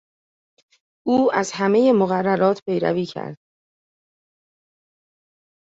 او از همهی مقررات پیروی کرد.